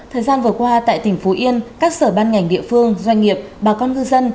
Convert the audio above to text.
thời gian vừa qua tại tỉnh phú yên các sở ban ngành địa phương doanh nghiệp bà con ngư dân